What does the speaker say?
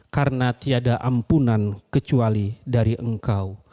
karena tiada ampunan kecuali dari engkau